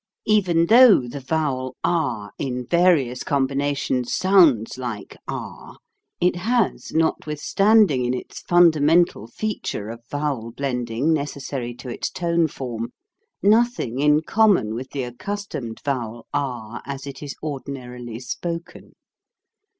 Even though the vowel ah in various combinations sounds like ah, it has, notwith standing in its fundamental feature of vowel blending necessary to its tone form, nothing in common with the accustomed vowel ah as it is ordinarily spoken.